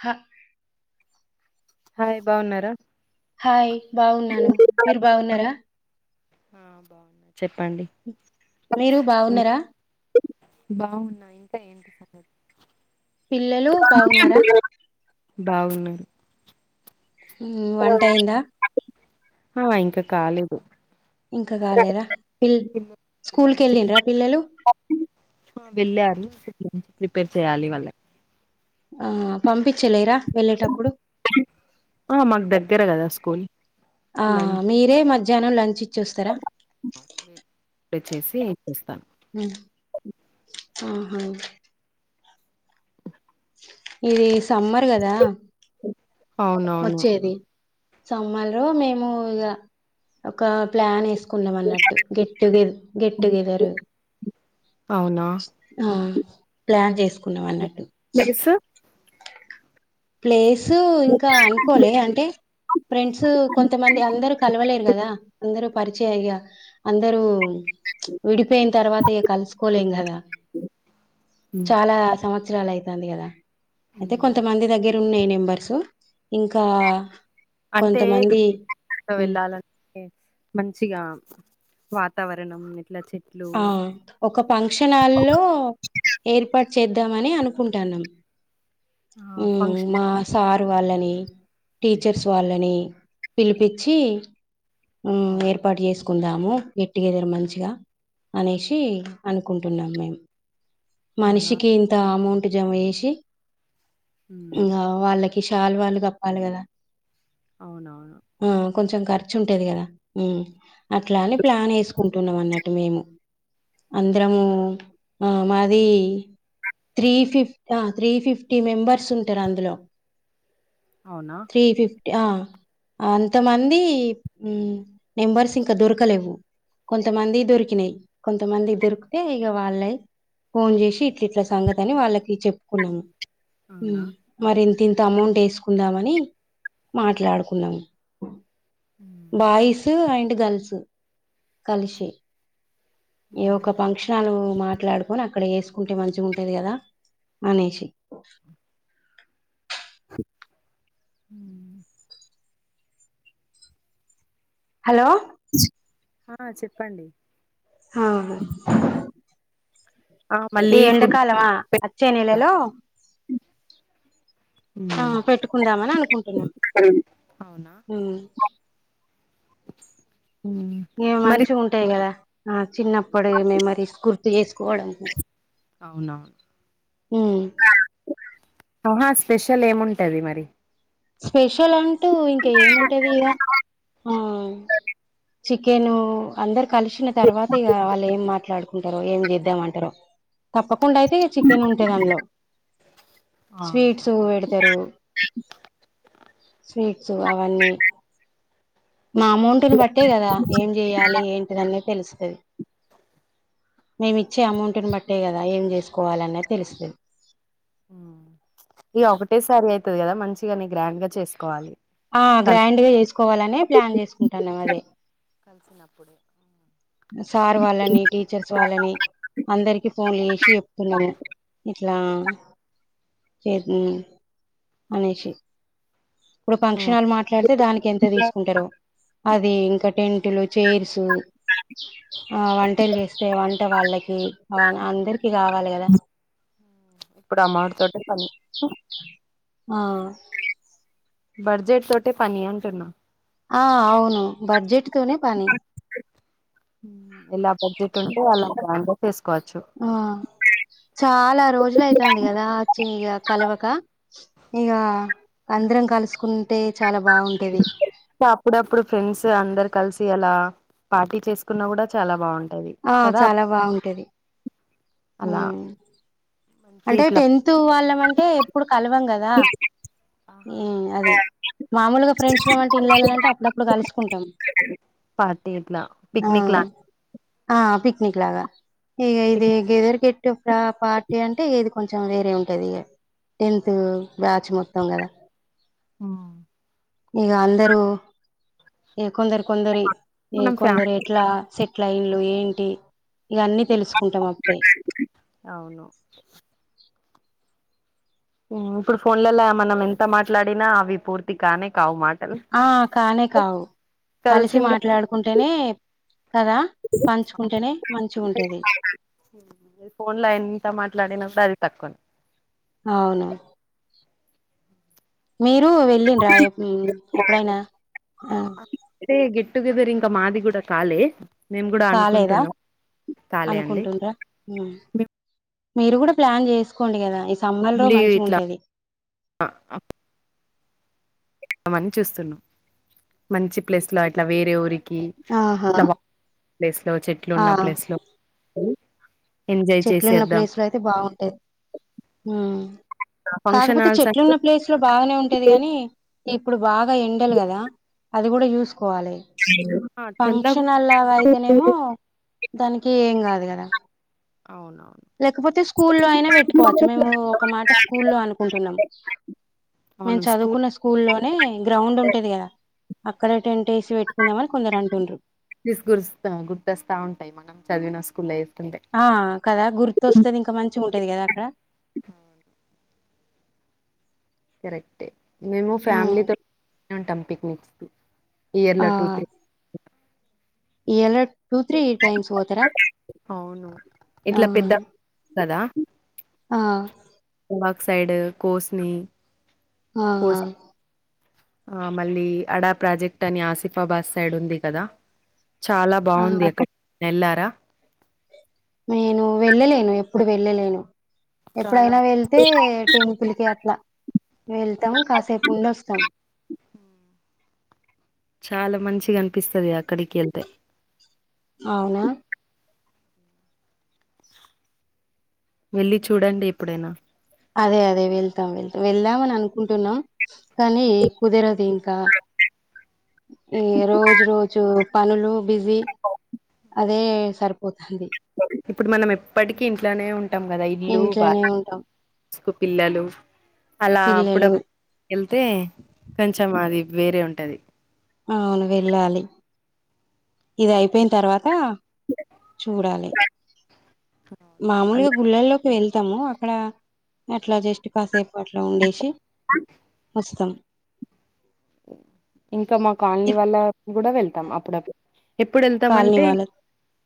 హ హాయ్ బాగున్నారా హాయ్ బాగున్నాను మీరు బాగున్నారా ఆ బాగున్నా చెప్పండి మీరు బావున్నారా బాగున్నా ఇంకా ఏంటి సంగతులు పిల్లలు బాగున్నారా బాగున్నారు వంట అయిందా ఆ ఇంకా కాలేదు ఇంకా కాలేదా పిల్ స్కూల్ లంచ్ కెళ్లిండ్ర పిల్లలు వెళ్ళారు లంచ్ ప్రిపేర్ చేయ్యాలి వాళ్ళ ఆ పంపించలేరా వెళ్ళేటప్పుడు ఆ మన్ దగ్గర కదా కోలి ఆ మీరే మధ్యాహ్నం లంచ్ ఇచ్చిస్తారా చేసి ఇప్పుడు చేస్తాను మ్మ్ ఇది సమ్మర్ కదా అవునవును వచ్చేది సమ్మర్ లో మేము ఇగ ఒక ప్లాన్ ఏస్ కున్నామన్నట్టు గెట్టుగేద్ గెట్టుగెదరు అవునా ఆ ప్లాన్ చేసుకున్నాం అన్నట్ బస్సు ప్లేస్ తు ఇంకా అనుకోలే అంటే ఫ్రెండ్స్ కొంతమంది అందరుూ కలవలేరు కదా అందరు పరిచయయ్యా అందరుూ విడిపోయిన తర్వాత ఇ కలుసుకోలేం కదా చాలా సంవత్సరలు అయితే దంది కదా అయితే కొంతమంది దగ్గర ఉన్నాయ్ నంబర్స్ ఇంకా అంటే కొంతమంది [unintelligible] ఉమ్ వెళ్ళాలంటే మంచిగా వాతావరణం ఇట్ల చే ఆ ఒక ఫంక్షన్ హలో ఏర్పడ్ చేద్దామని అనుకుంటాన్నాం ఆ మ్మ్ ఫంక్షన్ మా సార్ వాళ్ళని టీచర్స్ వాళ్ళని పిలిపిచ్చి మ్మ్ ఏర్పాటు చేసుకు కుందాము గేట్టుగెదరు మంచిగా అనేసి అనుకుంటున్నాం మేము అవునా మనిషికి ఇంత అమౌంట్ జమ చేసి ఇంగ వాళ్ళకి ఈ శాలవాలు కప్పాలి కదా అవునవును. ఆ కొంచెం ఖర్చు ఉంటది గదా. ఉమ్ అట్లా అని ప్లాన్ ఏసుకుంటున్నం అన్నట్ టు మేము. అందరము ఆ మాది త్రీ ఫిఫ్ ఆ త్రీ ఫిఫ్టీ మెంబర్స్ ఉంటారు అందులో అవునా త్రీ ఫిఫ్ ఆ అంతమంది నెంబర్స్ ఇంకా దొరకలేవు కొంతమంది దొరికినాయి కొంతమంది దొరికితే ఇక వాళ్ళై ఫోన్ చేసి ఇట్ల ఇట్ల సంగతి అని వాళ్ళకి చెప్పుకున్నాము అవునా బరి దీంతో అమౌంట్ వేసుకుందామని అవునా మాట్లాడుకున్నాం బాయ్స్ అయి గలుసు కలిసి ఈ ఒక్క ఫంక్షనలూ. మాట్లాడుకొని అక్కడ చేసుకుంటే మంచిగుంటది కదా అనేశీ. ఊ హలో ఆ చెప్పండి. హా అవును. ఆ ఈ మళ్ళీ ఫుడ్ ఎండకాలమా వచ్చే నెలలో ఆ పెట్టుకుందామని అనుకుంటున్నాం అవునా నీవి మరి మంచిగా ఉంటాయి కదా ఆ చిన్నప్పుడు మెమోరీస్ గుర్తు చేసుకోవడం అవునవును మ్ ఆహా స్పెషల్ ఏముంటది మరి స్పెషల్ అంటూ ఇంకా ఏముంటది ఇగ ఆ చికెను అందరికి కలిసిన తర్వాత ఇక వాళ్ళు ఏం మాట్లాడు ఉంటారో ఏం చేద్దామంటారో తప్పకుండా అయితే చికెన్ ఉంటది అందులో ఆ స్వీట్స్ పెడతారు స్వీట్స్ కావాలి నా అమౌంట్ని బట్టే కదా ఏం చెయ్యాలి ఏంటిదనే తెలుసు మేమి ఇచ్చే అమౌంట్ని బట్టే కదా ఏం చేసుకోవాలన్నది తెలుస్తుంది ఇగ ఒకటేసారి అయితే కదా మంచిగాన్ని గ్రాండ్ గా చేసుకోవాలి ఆ కల్ గ్రాండ్గా చేసుకోవాలనే ప్లాన్ చేసుకుంటున్నాం అదే [inaudible] సార్ వాళ్ళని టీచర్స్ వాళ్ళని అందరికి ఫోన్లు చేసి చెప్పుతున్నాము ఇట్లా చేసిన అనేసి. ఇప్పుడు ఫంక్షన్ హలు మాట్లాడితే దానికి ఎంత తీసుకుంటారో. అది ఇంకా టెంట్లు, చైర్సు ఆ వంటలు చేస్తే వంట వాళ్ళకి ఆహ్ అందరికి కావాలి కదా. ఇప్పుడు ఆ మాట తోటే పని. ఆహ్ బర్జెడ్ తోటే పనియ అంటున్నా. ఆహ్ అవును బడ్జెట్. తనతోనే పనీ. ఉమ్ ఎలా బడ్జెట్ ఉంటే అలా బలాం చేసుకోవచ్చు ఆ చాలా రోజులైతాంది కదా వచ్చి ఇగ కలవక ఇగ అందరం కలుసుకుంటే చాలా బాగుంటేది అప్పుడప్పుడు ఫ్రెండ్స్ అందరు కలిసి అలా పార్టీ చేసుకున్నా కూడా చాలా బాగుం ఆ చాలా బాగుంటది అలా మ్ మంచి అంటే ఇట్లా టెన్త్ వాళ్ళవి అంటే. కలవం కదా ఆహా ఉమ్ అది మామూలుగా ఫ్రెండ్స్ లో అంటే ఇల్లళ్ళంటే అప్పుడప్పుడు కలుసుకుంటాం పార్టీ ఇట్లా పిక్నిక్ లా ఆహ్. ఆహ్ పిక్నిక్ లాగా. ఇగ ఇది గేదర్కెట్. ఇంకా పార్టీ అంటే. అంటే ఇది కొంచెం వేరే ఉంటది. ఇగ టెన్త్ బ్యాచ్ మొత్తం కదా. ఉమ్ ఇంకా అందరు. కొందరి కొందరి ఈ మనం కొందరు ఫ్యామిలీ ఎట్లా సెట్. లైన్లు ఏంటి. ఇవన్నీ తెలుసుకుంటాం అప్పుడే. అవును ఇప్పుడు ఫోన్లోల మనం ఎంత మాట్లాడినా అవి పూర్తిగానే కావు మాట ఆహ్ కానే కావు కలిసి కలిసింది మాట్లాడుకుంటేనే కదా పంచుకుంటేనే మంచిగుంటాది. ఫోన్ లో ఎంత మాట్లాడినా కూడా అది తక్కువనే. అవును. మీరు వెళ్ళీండ్ర ఎప్పుడైనా ఆహ్. అయితే గెట్ టుగెదర్ ఇంకా మాది కూడా కాలే. మేము కూడా కాలేదా అనుకుంటున్నాం కాలే అండి. అనుకుంటుండ్రా ఉమ్ మీరు కూడా ప్లాన్ చేసుకోండి కదా. సమ్మర్ లో మీల్లి మంచిగా ఇట్లా. ఉంటది మంచు వస్తాది. మంచి ప్లేస్ లో అట్లా వేరే ఊరి. ఆహా ఇట్లా వా ప్లేస్ లో చెట్లు ఆ ఉన్న ప్లేస్ లో‌ ఉమ్. చెట్లున్న ప్లేస్ లో అయితే బాగుండేది హ్మ్ ఫంక్షన్ కాకపోతే హాల్స్ అంటే చెట్లున్న ప్లేస్ లో బానే ఉంటది కాని ఇప్పుడు బాగా ఎండలు కదా అది కూడా యూస్ కోవాలి చల్లగా ఫంక్షన్ల్ లాగా అయితేనేమో దానికి ఏం కాదు కదా అవునవును లేకపోతే స్కూల్లో అయినా పెట్టుకోవచ్చు మేము ఒక మాట స్కూల్లో అనుకుంటున్నాము మేము అవును స్కూల్ చదువుకున్న స్కూల్లోనే గ్రౌండ్ ఉంటేది కదా అక్కడ టెన్ తీసుకోస్తా గుర్తోస్తా ఉంటాయి మనం చదివిన స్కూల్ అయితే. ఆహ్ కదా గుర్తోస్తది ఇంకా మంచిగుంటది కదా అక్కడ. కరెక్టే. మేము ఉమ్, ఫ్యామిలీతోటే ఉంటాం. పిక్నిక్స్ ఇయర్ లో టూ త్రీ ఎల అవును ఆ ఇట్లా పెద్ద కదా ఆ ఒక సైడ్ కోస్ని ఆ కోస్ ఆ ఆ మళ్ళీ అడా ప్రాజెక్ట్ అని ఆసిఫాబాద్ సైడ్ ఉంది కదా చాలా ఆ బావుంది అక్కడ ఎల్లార నేను వెళ్ళలేను ఎప్పుడు వెళ్ళలేను చాలా ఎప్పుడైనా బా వెళ్తే టెంపుల్కి అట్లా వెళ్తాం కాసేపు ఉండొస్తాం చాలా మంచిగా అనిపిస్తది అ అవునా వెళ్ళి చూడండి ఎప్పుడైనా అదే అదే వెళ్తాం వెళ్తాం వెళ్దామని అనుకుంటున్నాం కానీ కుదరది ఇంకా ఈ రోజు రోజు పనులు బిజీ అదే సరిపోతుంది. ఇప్పుడు మనం ఎప్పటికిీ ఇంట్లోనే ఉం ఇంట్లోనే ఉంటాం సుకు పిల్లలు అలా అప్పుడు పిల్లలు వెళ్తే కొంచెం అది వేరే ఉంటది అవును వెళ్ళాలి ఇది అయిపోయిన తర్వాత చూడాలి మాములుగా గుళ్ళల్లో వెళ్తాము అక్కడ అట్లా జస్ట్ కాసేపు అట్లా ఉండేసి అ వస్తాం ఇంకా మా కాలనీ ఈ వాళ్ళ కూడా వెళ్తాం అప్పుడప్పుడు ఎప్పుడు వెళ్తాం కాలనీ అంటే వాళ్ళ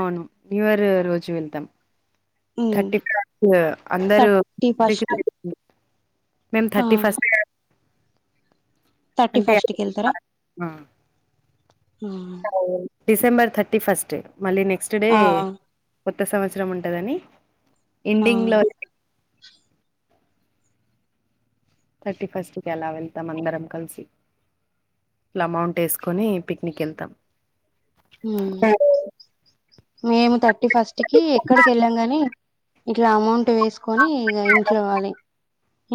అవును న్యూ ఇయర్ రోజు వెళ్తాం థర్టీ ఫ అందరు థర్టీ ప ఫస్ట్ మేం ఆ థర్టీ ఫస్ట్ క్ థర్టీ ఫస్ట్కిళ్తారా డిసెంబర్ థర్టీ ఫస్ట్డ్ మళ్ళీ నెక్స్ట్ డే ఆ కొత్త సంవత్సరం వుంటాడంది ఆ ఎండింగ్ లో థర్టీ ఫస్ట్కి ఎలా వెళ్తాం అందరం కలిసి ఇలా అమౌంట్ వేసుకొని పిక్నిక్ వెళ్తాం హ మేము థర్టీ ఫస్ట్ కి ఎక్కడికి వెళ్ళాం గాని ఇట్లా అమౌంట్ పట్టు వేసుకొని ఇక ఇంట్లో వాలి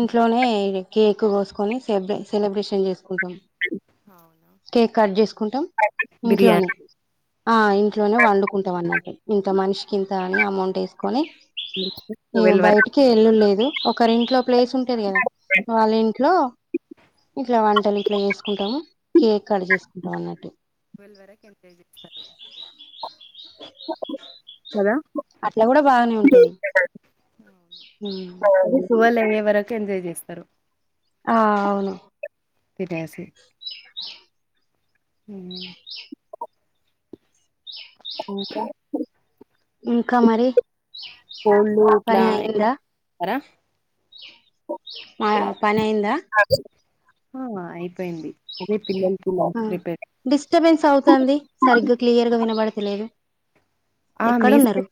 ఇంట్లోనే ఇ కేక్ కోసుకొని సెబ సెలబ్రేషన్ చే కుంటాం అవునా కేక్ కట్ చేసుకుంటాం ఇంట్లోనే బిర్యానీ ఆ ఇంట్లోనే వండు అనుకుంటాం అన్నట్టు ఇంత మనిషికి ఇంత అని అమౌంట్ వేసుకొని ఏ ట్వెల్వ్ వరకు బయటికి ఎల్లు లేదు ఒకరి ఇంట్లో ప్లేస్ ఉంటంది కదా వాళ్ళ ఇంట్లో ఇట్లా వ వంటలు ఇట్లా చేసుకుంటాము కేక్ కట్ చేసుకుంటాం అన్నట్టు [inaudible] వరకు ఎంతే చేస్తారు కదా అట్లా కూడా బాగానే ఉంటది ట్వెల్వ్ అయ్యే వరకు ఎంజాయ్ చేస్తారు ఆ అవును తినేసి హ ఇంకా మరి కోళ్ళు ఇట్లా పని అయిందా ఏస్తారా మా పని అయిందా ఆ అయిపోయింది అదే పిల్లలు ఆ డిస్టర్బెన్స్ అవుతాంది సరిగ్గా క్లియర్ గా వినబడ లేగు ఆ మీ ఎక్కడున్నారు సైడ్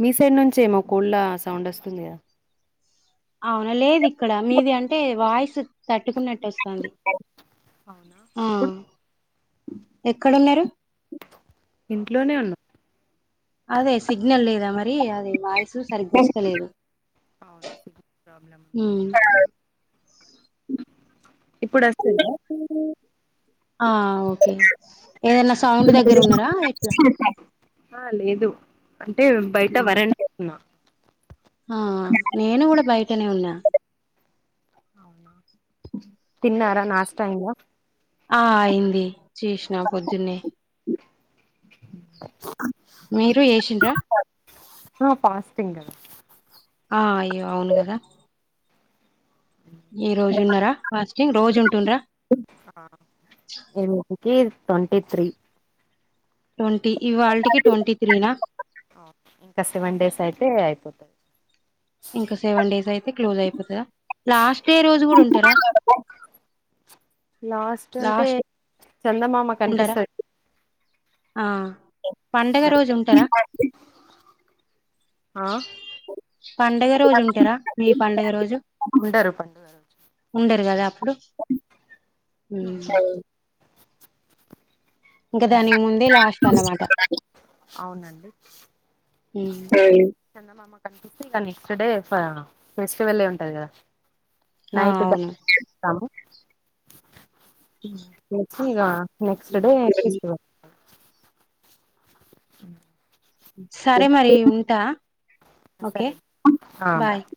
మీ సైడ్ నుంచే నా కోళ్లా సౌండ్ వస్తుంది కదా అవునా లేదు ఇక్కడ మీది అంటే వాయిస్ కట్ కొట్కున్నట్టు వస్తంది అవునా ఆ ఇప్పుడు ఎక్కడ ఉన్నారు. ఇంట్లోనే ఉన్నా అదే సిగ్నల్ లేదా మరి అది నాయిస్ జ్యూస్ సరిగ్గా ఇస్తలేదు అవును సిగ్నల్ ప్రాబ్లం ఉంది ఇప్పుడు వస్తుంది ఆ ఓకే ఏదైనా సౌండ్ దగ్గర ఉన్నారా ఎట్లా ఆ లేదు అంటే బయట ఉమ్. వరండాలో వున్న ఆ నేను కూడా బయ చెప్తనే ఉన్నా తిన్నార నాష్టా ఇంక ఆ అయింది చేసినా పొద్దున్నే మీరు చేసిండ్రా ఆ పాస్టింగ్ అండి ఆ అయ్యో అవును కదా ఈ రోజున్నారా ఫాస్టింగ్ రోజు ఉంటుండ్రా. కీస్ ట్వంటీ త్రీ ట్వంటీ ఇవాళటికి ట్వంటీ త్రీనా ఆ ఇంకా సెవన్ డేస్ అయితే అయిపోతు అ ఇంకా సెవెన్ డేస్ అయితే క్లోజ్ అయిపోతాయ లాస్ట్ డే రోజు కూడా ఉంటారా లాస్ట్ చందమామ ఉంటరా కనిపిస్తది ఆ పండగ రోజు ఉంటారా ఆ పండుగ రోజు ఉంటారా మీ పండుగ రోజు ఉండరు పండుగ రోజు ఉండరు కదా ఇప్పుడు ఉమ్మ్ దానికి ముందే లాస్ట్ అన్నమాట [inaudible] అవునండి ఉమ్. ఎయ్ క [unintelligible] దాన్ని ఇక నెక్స్ట్ డే ఫెస్టివెల్ ఏ అంటారు కదా. ఆ నైట్ డ అవును [unintelligible] చేత్తము. వచ్చి ఇక నెక్స్ట్ ఉమ్. డే అ సరే మరి ఉంటా ఓకే సరే ఆ బాయ్ భాయ్